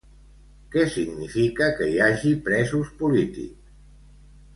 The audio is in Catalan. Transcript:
Què significa que hi hagi presos polítics?